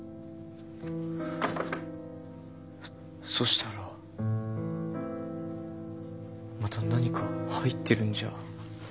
そしたらまた何か入ってるんじゃ。